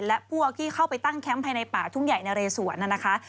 และพวกที่เข้าไปตั้งแคมป์ภายในป่าทุ่งใหญ่นะเรสวนนะคะ